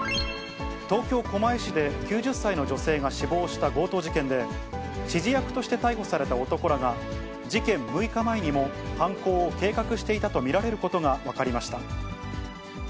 東京・狛江市で、９０歳の女性が死亡した強盗事件で、指示役として逮捕された男らが、事件６日前にも犯行を計画していたと見られることが分かりました。